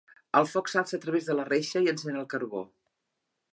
El foc s'alça a través de la reixa i encén el carbó.